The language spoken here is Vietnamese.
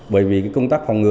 bởi vì công tác phân cách đúng